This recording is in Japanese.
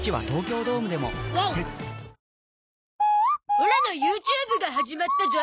オラの ＹｏｕＴｕｂｅ が始まったゾ